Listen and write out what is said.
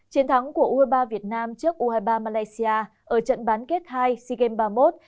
chiến thắng của u hai mươi ba việt nam trước u hai mươi ba malaysia ở trận bán kết hai sea games ba mươi một